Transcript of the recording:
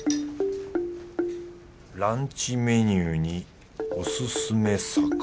ランチメニューにおすすめ肴。